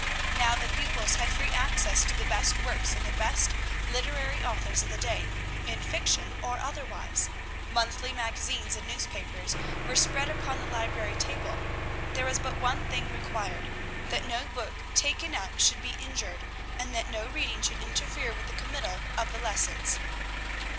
Now the pupils had free access to the best works of the best literary authors of the day, in fiction or otherwise. Monthly magazines and newspapers were spread upon the library table. There was but one thing required, that no book taken out should be injured, and that no reading should interfere with the committal of the lessons.